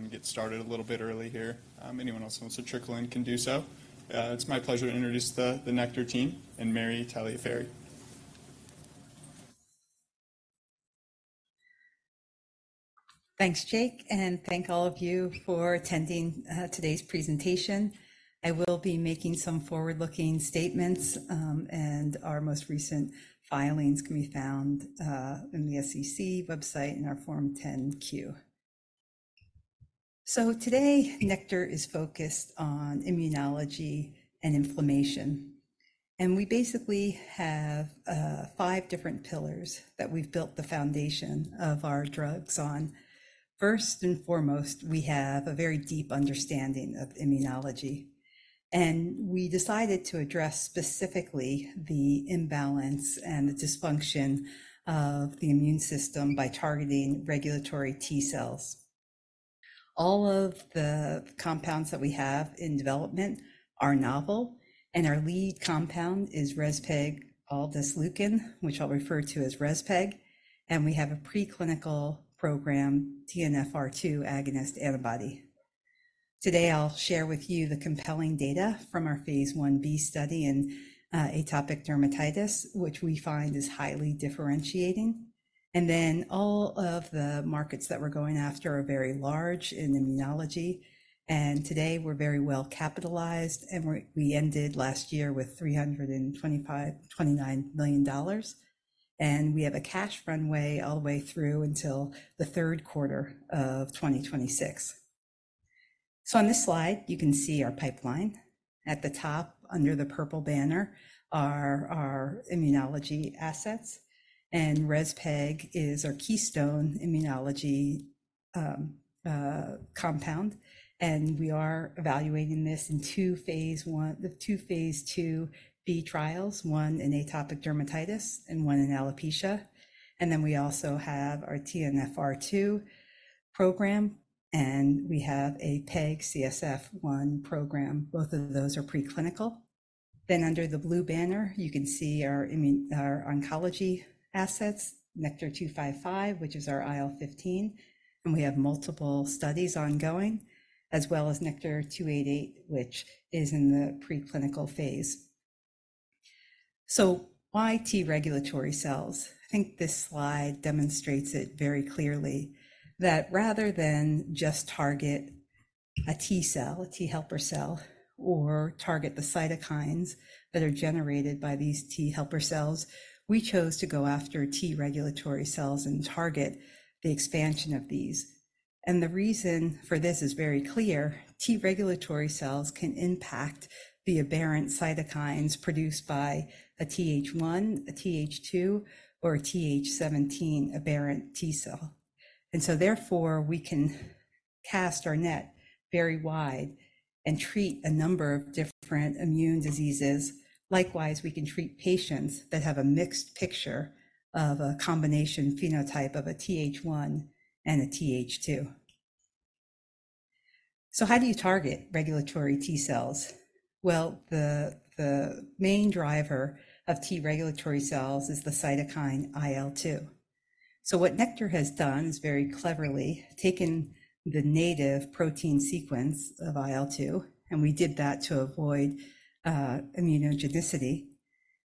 We'll go ahead and get started a little bit early here. Anyone else who wants to trickle in can do so. It's my pleasure to introduce the Nektar team and Mary Tagliaferri. Thanks, Jake, and thank all of you for attending today's presentation. I will be making some forward-looking statements, and our most recent filings can be found in the SEC website in our Form 10-Q. Today, Nektar is focused on immunology and inflammation, and we basically have five different pillars that we've built the foundation of our drugs on. First and foremost, we have a very deep understanding of immunology, and we decided to address specifically the imbalance and the dysfunction of the immune system by targeting regulatory T cells. All of the compounds that we have in development are novel, and our lead compound is rezpegaldesleukin, which I'll refer to as respeg, and we have a preclinical program, TNFR2 agonist antibody. Today, I'll share with you the compelling data from our phase I-B study in atopic dermatitis, which we find is highly differentiating. And then all of the markets that we're going after are very large in immunology, and today we're very well capitalized, and we ended last year with $329 million, and we have a cash runway all the way through until the third quarter of 2026. On this slide, you can see our pipeline. At the top, under the purple banner, are our immunology assets, and respeg is our keystone immunology compound, and we are evaluating this in the two phase II-B trials, 1 in atopic dermatitis and 1 in alopecia. We also have our TNFR2 program, and we have a PEG-CSF1 program. Both of those are preclinical. Then under the blue banner, you can see our oncology assets, NKTR-255, which is our IL-15, and we have multiple studies ongoing, as well as NKTR-288, which is in the preclinical phase. So why T regulatory cells? I think this slide demonstrates it very clearly, that rather than just target a T cell, a T helper cell, or target the cytokines that are generated by these T helper cells, we chose to go after T regulatory cells and target the expansion of these. And the reason for this is very clear, T regulatory cells can impact the aberrant cytokines produced by a Th1, a Th2, or a Th17 aberrant T cell. And so therefore, we can cast our net very wide and treat a number of different immune diseases. Likewise, we can treat patients that have a mixed picture of a combination phenotype of a Th1 and a Th2. So how do you target regulatory T cells? Well, the main driver of T regulatory cells is the cytokine IL-2. So what Nektar has done is very cleverly taken the native protein sequence of IL-2, and we did that to avoid immunogenicity.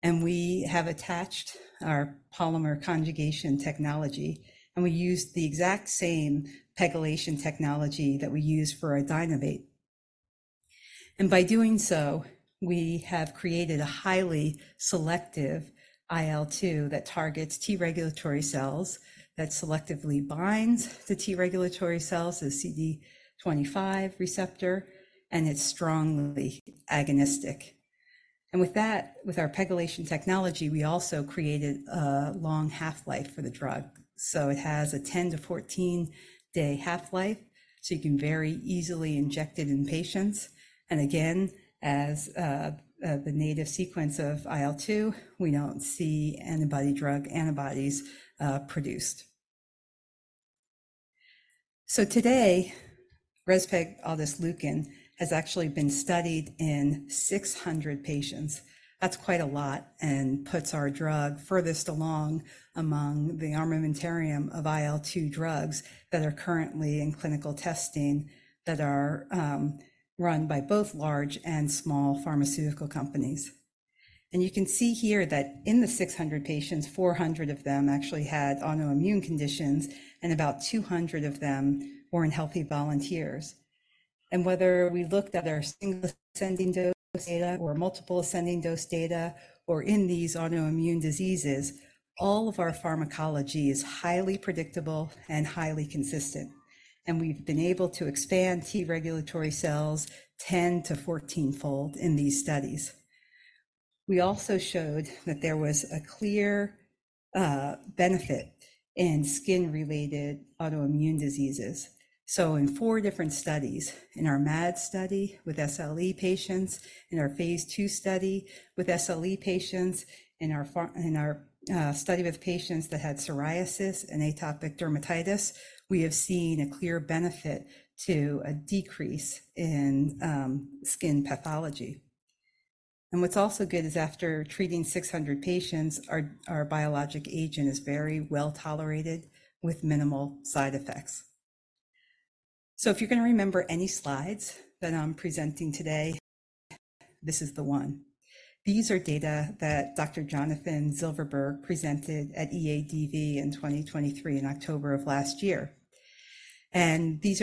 And we have attached our polymer conjugation technology, and we used the exact same PEGylation technology that we use for Adynovate. And by doing so, we have created a highly selective IL-2 that targets T regulatory cells, that selectively binds the T regulatory cells, the CD25 receptor, and it's strongly agonistic. And with that, with our PEGylation technology, we also created a long half-life for the drug. So it has a 10- to 14-day half-life, so you can very easily inject it in patients. And again, as the native sequence of IL-2, we don't see anti-drug antibodies produced. So today, rezpegaldesleukin has actually been studied in 600 patients. That's quite a lot and puts our drug furthest along among the armamentarium of IL-2 drugs that are currently in clinical testing, that are run by both large and small pharmaceutical companies. And you can see here that in the 600 patients, 400 of them actually had autoimmune conditions, and about 200 of them were in healthy volunteers. And whether we looked at our single ascending dose data or multiple ascending dose data, or in these autoimmune diseases, all of our pharmacology is highly predictable and highly consistent, and we've been able to expand T regulatory cells 10- to 14-fold in these studies. We also showed that there was a clear benefit in skin-related autoimmune diseases. So in four different studies, in our MAD study with SLE patients, in our phase II study with SLE patients, in our study with patients that had psoriasis and atopic dermatitis, we have seen a clear benefit to a decrease in skin pathology. And what's also good is after treating 600 patients, our biologic agent is very well tolerated with minimal side effects. So if you're gonna remember any slides that I'm presenting today, this is the one. These are data that Dr. Jonathan Silverberg presented at EADV in 2023, in October of last year. And you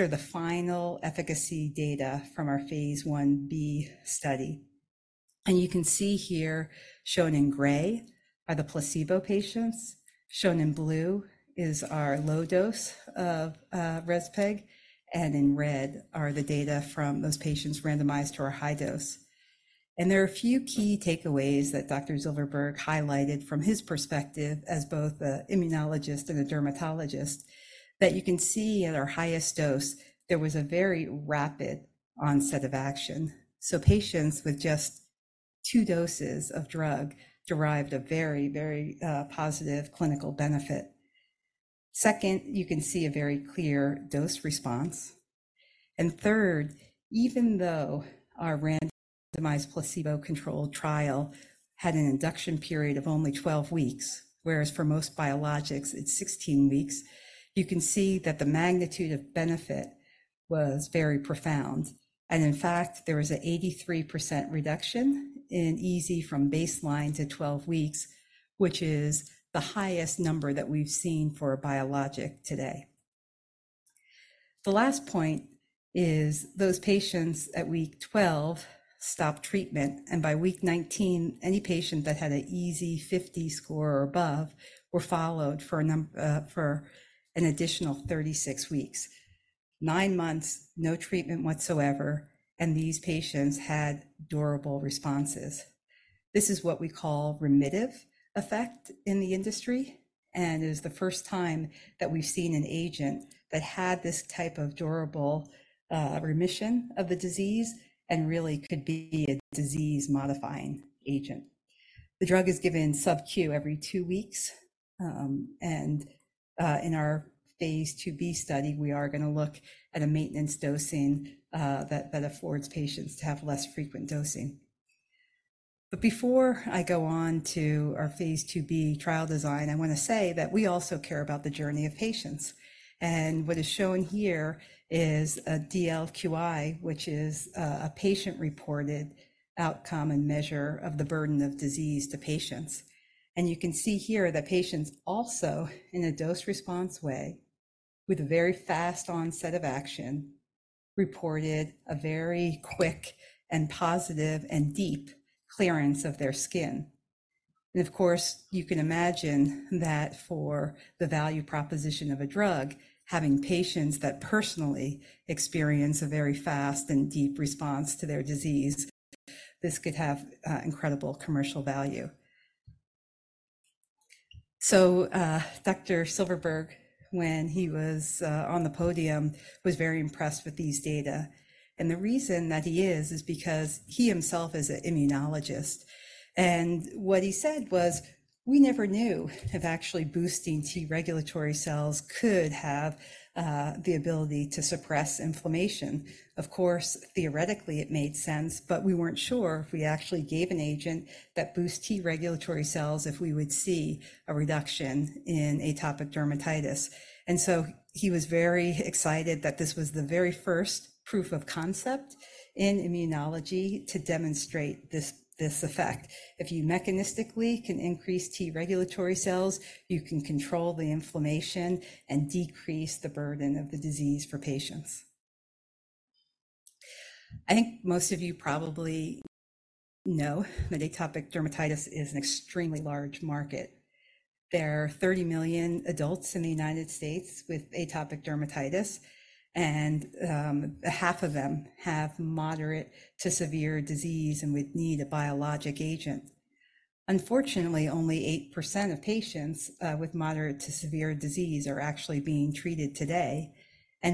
can see here, shown in gray, are the placebo patients. Shown in blue is our low dose of Respeg, and in red are the data from those patients randomized to our high dose. There are a few key takeaways that Dr. Silverberg highlighted from his perspective as both a immunologist and a dermatologist, that you can see at our highest dose, there was a very rapid onset of action. So patients with just two doses of drug derived a very, very positive clinical benefit. Second, you can see a very clear dose response. Third, even though our randomized placebo-controlled trial had an induction period of only 12 weeks, whereas for most biologics it's 16 weeks, you can see that the magnitude of benefit was very profound. In fact, there was an 83% reduction in EASI from baseline to 12 weeks, which is the highest number that we've seen for a biologic today. The last point is those patients at week 12 stopped treatment, and by week 19, any patient that had an EASI 50 score or above were followed for an additional 36 weeks. 9 months, no treatment whatsoever, and these patients had durable responses. This is what we call remittive effect in the industry, and it is the first time that we've seen an agent that had this type of durable remission of the disease and really could be a disease-modifying agent. The drug is given sub-Q every 2 weeks, and in our phase II-B study, we are gonna look at a maintenance dosing that affords patients to have less frequent dosing. But before I go on to our phase II-B trial design, I wanna say that we also care about the journey of patients. What is shown here is a DLQI, which is a patient-reported outcome and measure of the burden of disease to patients. You can see here that patients also, in a dose-response way, with a very fast onset of action, reported a very quick and positive and deep clearance of their skin. Of course, you can imagine that for the value proposition of a drug, having patients that personally experience a very fast and deep response to their disease, this could have incredible commercial value. So, Dr. Silverberg, when he was on the podium, was very impressed with these data. The reason that he is, is because he himself is an immunologist. What he said was: "We never knew if actually boosting T-regulatory cells could have the ability to suppress inflammation. Of course, theoretically, it made sense, but we weren't sure if we actually gave an agent that boosts T-regulatory cells, if we would see a reduction in atopic dermatitis." So he was very excited that this was the very first proof of concept in immunology to demonstrate this effect. If you mechanistically can increase T-regulatory cells, you can control the inflammation and decrease the burden of the disease for patients. I think most of you probably know that atopic dermatitis is an extremely large market. There are 30 million adults in the United States with atopic dermatitis, and half of them have moderate to severe disease and would need a biologic agent. Unfortunately, only 8% of patients with moderate to severe disease are actually being treated today.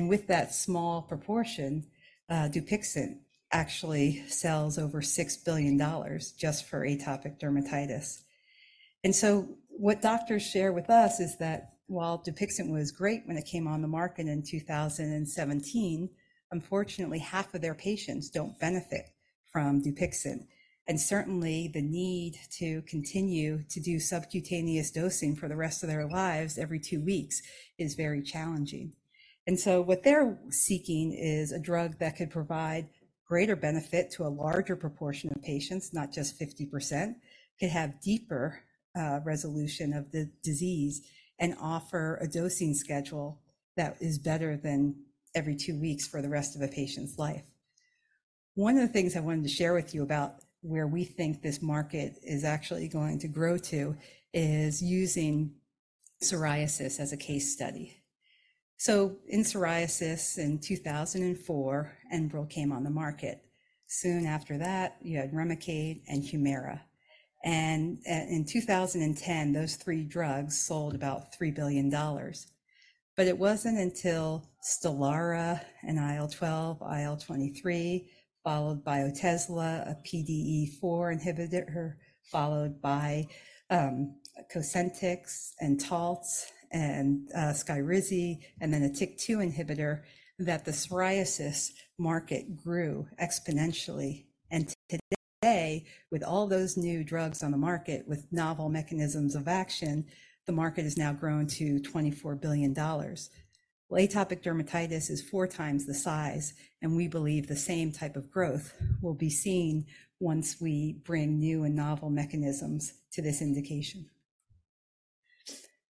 With that small proportion, Dupixent actually sells over $6 billion just for atopic dermatitis. What doctors share with us is that while Dupixent was great when it came on the market in 2017, unfortunately, half of their patients don't benefit from Dupixent. Certainly, the need to continue to do subcutaneous dosing for the rest of their lives every two weeks is very challenging. What they're seeking is a drug that could provide greater benefit to a larger proportion of patients, not just 50%, could have deeper resolution of the disease, and offer a dosing schedule that is better than every two weeks for the rest of a patient's life. One of the things I wanted to share with you about where we think this market is actually going to grow to is using psoriasis as a case study. In psoriasis, in 2004, Enbrel came on the market. Soon after that, you had Remicade and Humira. And in 2010, those three drugs sold about $3 billion. But it wasn't until Stelara and IL-12, IL-23, followed by Otezla, a PDE4 inhibitor, followed by Cosentyx and Taltz and Skyrizi, and then a TYK2 inhibitor, that the psoriasis market grew exponentially. And today, with all those new drugs on the market with novel mechanisms of action, the market has now grown to $24 billion. Atopic dermatitis is four times the size, and we believe the same type of growth will be seen once we bring new and novel mechanisms to this indication.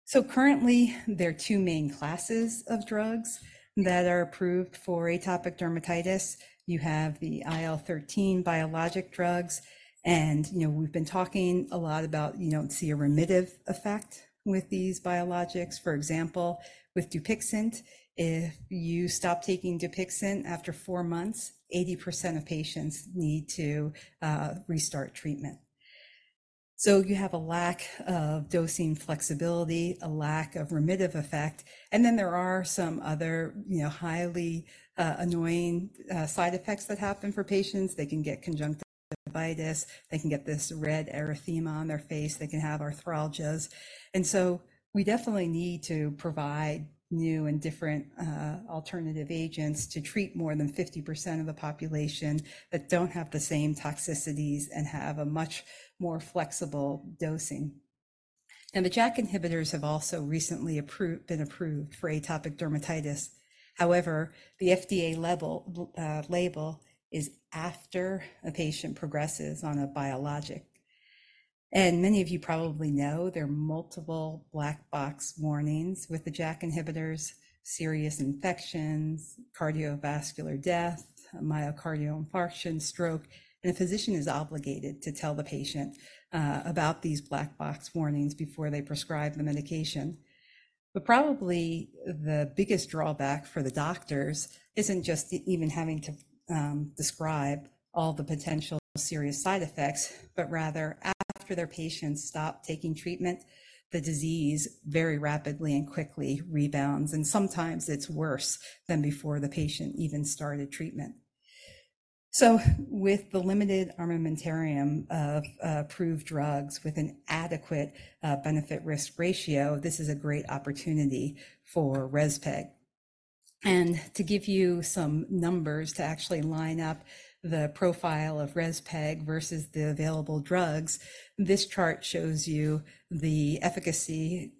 So currently, there are two main classes of drugs that are approved for atopic dermatitis. You have the IL-13 biologic drugs, and, you know, we've been talking a lot about, you don't see a remittive effect with these biologics. For example, with Dupixent, if you stop taking Dupixent after four months, 80% of patients need to restart treatment. So you have a lack of dosing flexibility, a lack of remittive effect, and then there are some other, you know, highly annoying side effects that happen for patients. They can get conjunctivitis, they can get this red erythema on their face, they can have arthralgias. And so we definitely need to provide new and different alternative agents to treat more than 50% of the population that don't have the same toxicities and have a much more flexible dosing. And the JAK inhibitors have also recently been approved for atopic dermatitis. However, the FDA level label is after a patient progresses on a biologic. Many of you probably know there are multiple black box warnings with the JAK inhibitors, serious infections, cardiovascular death, myocardial infarction, stroke, and a physician is obligated to tell the patient about these black box warnings before they prescribe the medication. But probably the biggest drawback for the doctors isn't just even having to describe all the potential serious side effects, but rather after their patients stop taking treatment, the disease very rapidly and quickly rebounds, and sometimes it's worse than before the patient even started treatment. So with the limited armamentarium of approved drugs with an adequate benefit-risk ratio, this is a great opportunity for rezpegaldesleukin. To give you some numbers to actually line up the profile of rezpegaldesleukin versus the available drugs, this chart shows you the efficacy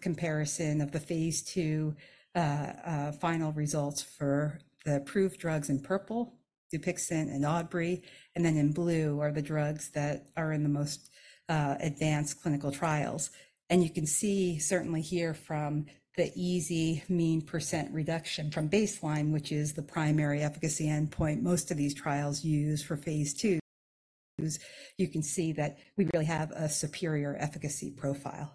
comparison of the phase II final results for the approved drugs in purple, Dupixent and Adbry, and then in blue are the drugs that are in the most advanced clinical trials. You can see certainly here from the EASI mean % reduction from baseline, which is the primary efficacy endpoint most of these trials use for phase II, you can see that we really have a superior efficacy profile.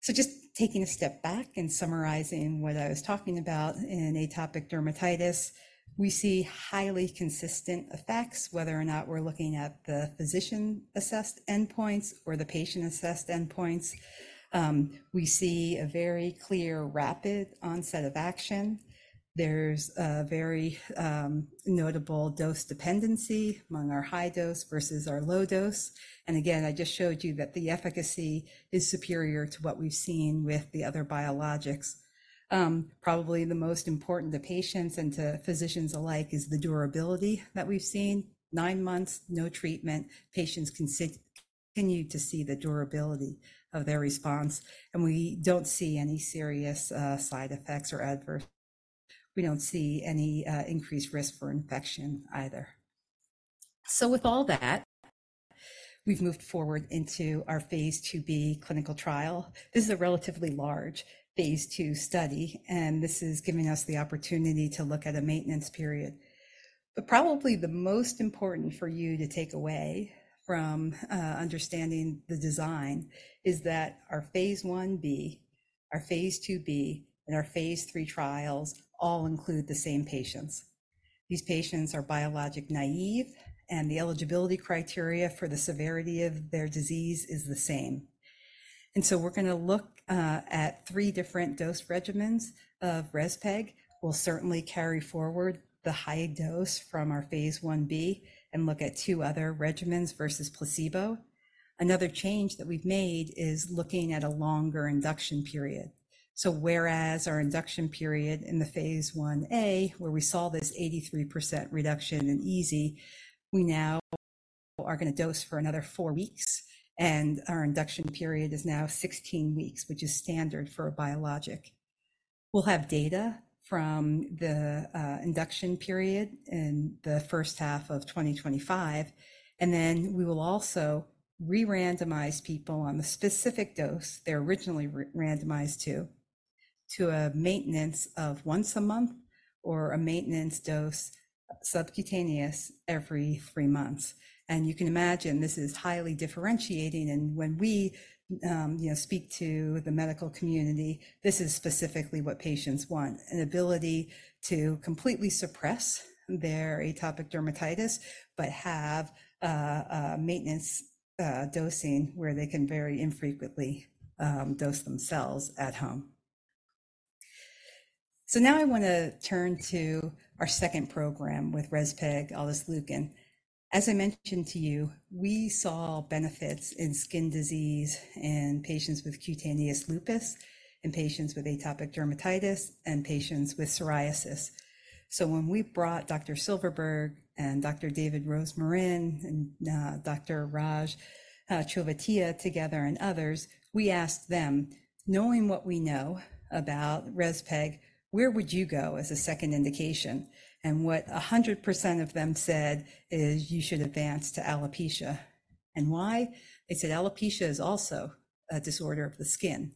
So just taking a step back and summarizing what I was talking about in atopic dermatitis, we see highly consistent effects, whether or not we're looking at the physician-assessed endpoints or the patient-assessed endpoints. We see a very clear, rapid onset of action. There's a very notable dose dependency among our high dose versus our low dose. Again, I just showed you that the efficacy is superior to what we've seen with the other biologics. Probably the most important to patients and to physicians alike is the durability that we've seen. Nine months, no treatment, patients can continue to see the durability of their response, and we don't see any serious side effects or adverse. We don't see any increased risk for infection either. With all that, we've moved forward into our phase II-B clinical trial. This is a relatively large phase II study, and this is giving us the opportunity to look at a maintenance period. Probably the most important for you to take away from understanding the design is that our phase I-B, our phase II-B, and our phase III trials all include the same patients. These patients are biologic-naïve, and the eligibility criteria for the severity of their disease is the same. So we're gonna look at three different dose regimens of Respeg. We'll certainly carry forward the high dose from our phase I-B and look at two other regimens versus placebo. Another change that we've made is looking at a longer induction period. Whereas our induction period in the phase I-A, where we saw this 83% reduction in EASI, we now are gonna dose for another four weeks, and our induction period is now 16 weeks, which is standard for a biologic. We'll have data from the induction period in the first half of 2025, and then we will also re-randomize people on the specific dose they're originally re-randomized to, to a maintenance of once a month or a maintenance dose subcutaneous every three months. And you can imagine this is highly differentiating, and when we you know speak to the medical community, this is specifically what patients want, an ability to completely suppress their atopic dermatitis, but have a maintenance dosing where they can very infrequently dose themselves at home. So now I wanna turn to our second program with rezpegaldesleukin. As I mentioned to you, we saw benefits in skin disease in patients with cutaneous lupus, in patients with atopic dermatitis, and patients with psoriasis. So when we brought Dr. Silverberg and Dr. David Rosmarin, and Dr. Raj Chovatiya together and others, we asked them, "Knowing what we know about Respeg, where would you go as a second indication?" What 100% of them said is, "You should advance to alopecia." And why? They said alopecia is also a disorder of the skin,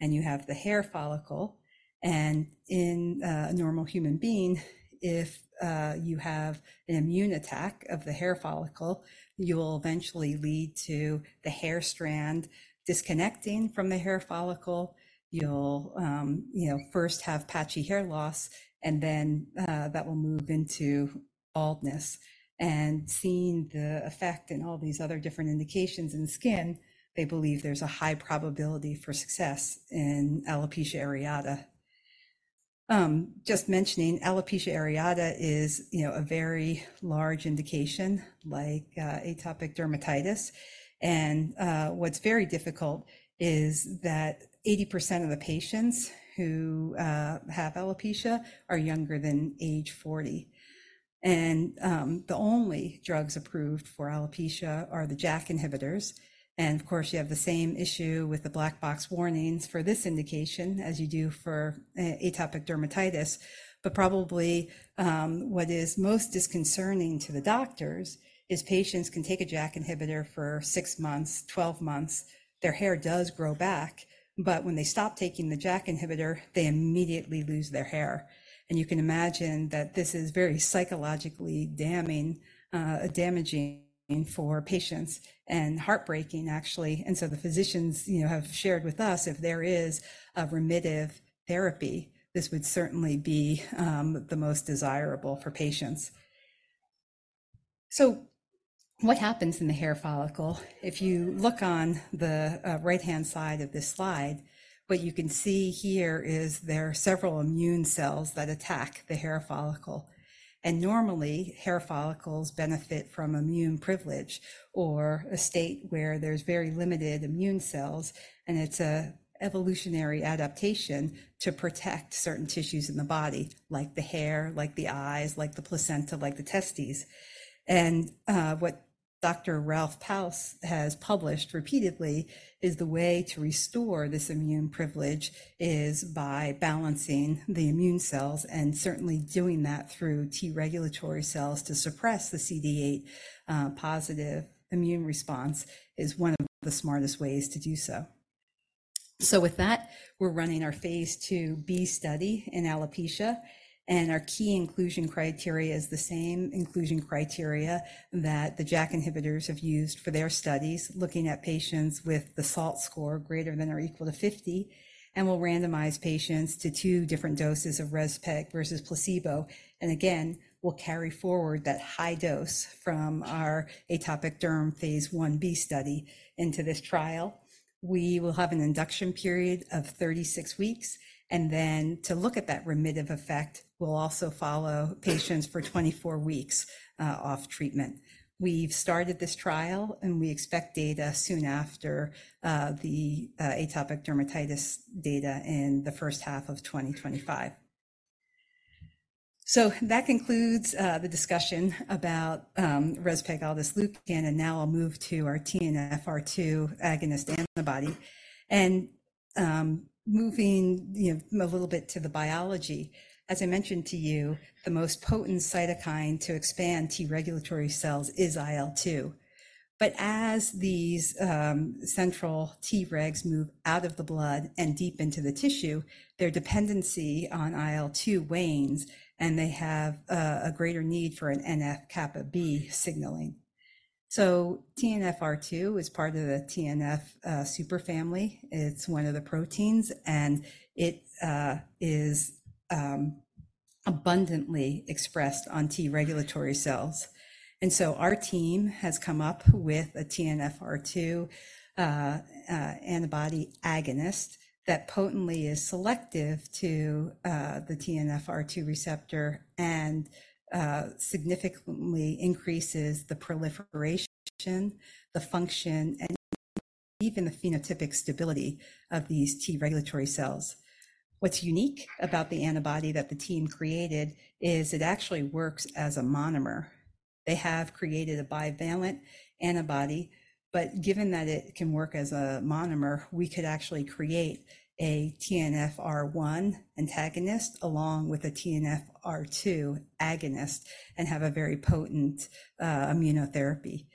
and you have the hair follicle. In a normal human being, if you have an immune attack of the hair follicle, you will eventually lead to the hair strand disconnecting from the hair follicle. You'll, you know, first have patchy hair loss, and then, that will move into baldness. Seeing the effect in all these other different indications in the skin, they believe there's a high probability for success in alopecia areata. Just mentioning, alopecia areata is, you know, a very large indication, like, atopic dermatitis. And, what's very difficult is that 80% of the patients who have alopecia are younger than age 40. And, the only drugs approved for alopecia are the JAK inhibitors. And of course, you have the same issue with the black box warnings for this indication as you do for a- atopic dermatitis. But probably, what is most disconcerting to the doctors is patients can take a JAK inhibitor for 6 months, 12 months. Their hair does grow back, but when they stop taking the JAK inhibitor, they immediately lose their hair. And you can imagine that this is very psychologically damning, damaging for patients, and heartbreaking, actually. And so the physicians, you know, have shared with us, if there is a remittive therapy, this would certainly be, the most desirable for patients. So what happens in the hair follicle? If you look on the right-hand side of this slide, what you can see here is there are several immune cells that attack the hair follicle. And normally, hair follicles benefit from immune privilege or a state where there's very limited immune cells, and it's a evolutionary adaptation to protect certain tissues in the body, like the hair, like the eyes, like the placenta, like the testes. And what Dr. Ralf Paus has published repeatedly is the way to restore this immune privilege is by balancing the immune cells, and certainly doing that through T regulatory cells to suppress the CD8 positive immune response, is one of the smartest ways to do so. So with that, we're running our phase II-B study in alopecia, and our key inclusion criteria is the same inclusion criteria that the JAK inhibitors have used for their studies, looking at patients with the SALT score greater than or equal to 50, and we'll randomize patients to 2 different doses of rezpegaldesleukin versus placebo. And again, we'll carry forward that high dose from our atopic derm phase II-B study into this trial. We will have an induction period of 36 weeks, and then to look at that remittive effect, we'll also follow patients for 24 weeks off treatment. We've started this trial, and we expect data soon after the atopic dermatitis data in the first half of 2025. So that concludes the discussion about rezpegaldesleukin, and now I'll move to our TNFR2 agonist antibody. Moving, you know, a little bit to the biology, as I mentioned to you, the most potent cytokine to expand T regulatory cells is IL-2. But as these central Tregs move out of the blood and deep into the tissue, their dependency on IL-2 wanes, and they have a greater need for an NF-kappa B signaling. So TNFR2 is part of the TNF superfamily. It's one of the proteins, and it is abundantly expressed on T regulatory cells. And so our team has come up with a TNFR2 antibody agonist that potently is selective to the TNFR2 receptor and significantly increases the proliferation, the function, and even the phenotypic stability of these T regulatory cells. What's unique about the antibody that the team created is it actually works as a monomer. They have created a bivalent antibody, but given that it can work as a monomer, we could actually create a TNFR1 antagonist along with a TNFR2 agonist and have a very potent immunotherapy.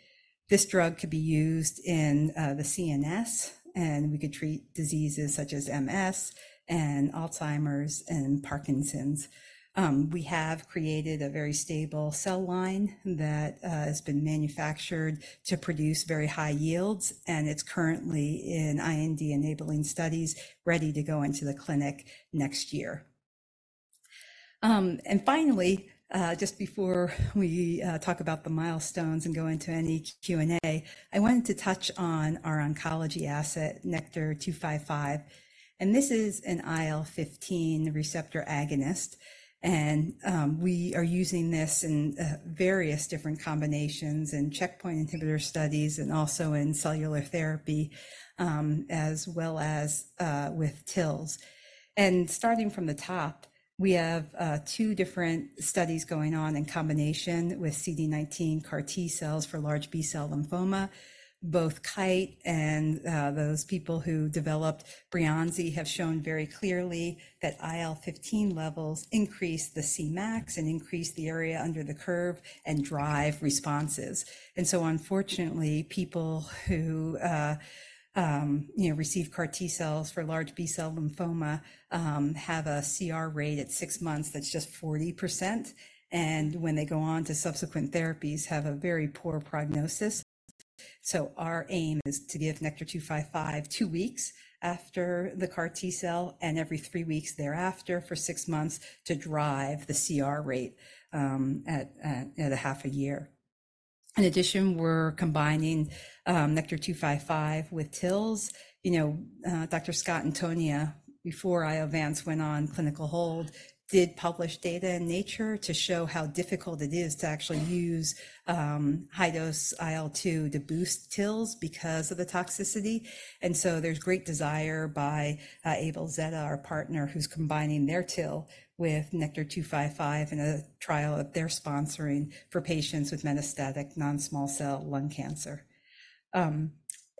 This drug could be used in the CNS, and we could treat diseases such as MS and Alzheimer's and Parkinson's. We have created a very stable cell line that has been manufactured to produce very high yields, and it's currently in IND-enabling studies, ready to go into the clinic next year. And finally, just before we talk about the milestones and go into any Q&A, I wanted to touch on our oncology asset, NKTR-255, and this is an IL-15 receptor agonist. And we are using this in various different combinations and checkpoint inhibitor studies and also in cellular therapy, as well as with TILs. Starting from the top, we have 2 different studies going on in combination with CD19 CAR T cells for large B-cell lymphoma. Both Kite and those people who developed Breyanzi have shown very clearly that IL-15 levels increase the Cmax and increase the area under the curve and drive responses. And so unfortunately, people who you know receive CAR T cells for large B-cell lymphoma have a CR rate at 6 months that's just 40%, and when they go on to subsequent therapies, have a very poor prognosis. So our aim is to give NKTR-255 2 weeks after the CAR T cell and every 3 weeks thereafter for 6 months to drive the CR rate at a half a year. In addition, we're combining NKTR-255 with TILs. You know, Dr. Scott Antonia, before Iovance went on clinical hold, did publish data in Nature to show how difficult it is to actually use high-dose IL-2 to boost TILs because of the toxicity. So there's great desire by AbelZeta, our partner, who's combining their TIL with Nektar 255 in a trial that they're sponsoring for patients with metastatic non-small cell lung cancer.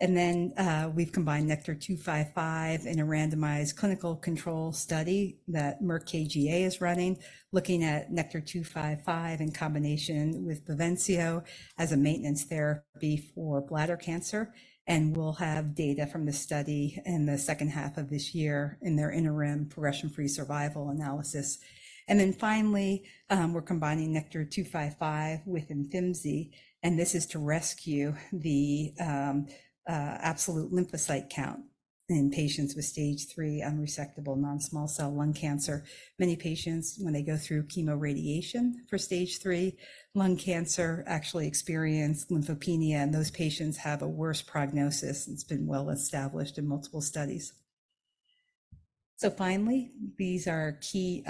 Then, we've combined Nektar 255 in a randomized clinical control study that Merck KGaA is running, looking at Nektar 255 in combination with Bavencio as a maintenance therapy for bladder cancer, and we'll have data from the study in the second half of this year in their interim progression-free survival analysis. Finally, we're combining Nektar 255 with Imfinzi, and this is to rescue the absolute lymphocyte count in patients with stage 3 unresectable non-small cell lung cancer. Many patients, when they go through chemoradiation for stage 3 lung cancer, actually experience lymphopenia, and those patients have a worse prognosis, and it's been well established in multiple studies. Finally, these are key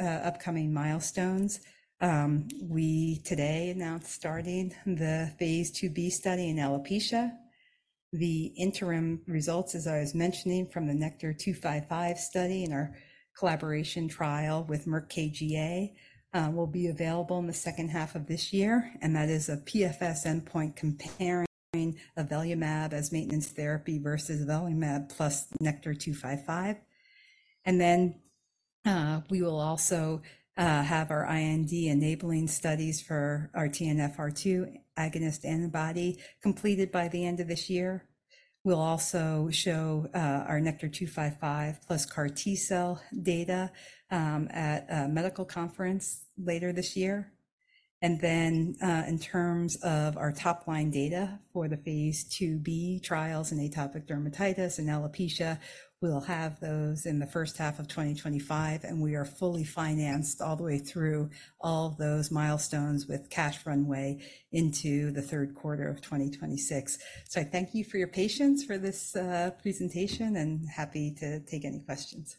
upcoming milestones. We today announced starting the phase II-B study in alopecia. The interim results, as I was mentioning from the NKTR-255 study and our collaboration trial with Merck KGaA, will be available in the second half of this year, and that is a PFS endpoint comparing avelumab as maintenance therapy versus avelumab plus NKTR-255. Then, we will also have our IND enabling studies for our TNFR2 agonist antibody completed by the end of this year. We'll also show our NKTR-255 plus CAR T-cell data at a medical conference later this year. And then, in terms of our top-line data for the phase II-B trials in atopic dermatitis and alopecia, we'll have those in the first half of 2025, and we are fully financed all the way through all those milestones with cash runway into the third quarter of 2026. So I thank you for your patience for this presentation, and happy to take any questions.